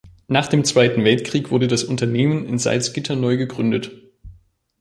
Nach dem Zweiten Weltkrieg wurde das Unternehmen in Salzgitter neu gegründet.